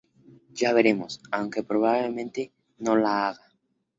Ya veremos... aunque probablemente no la haga".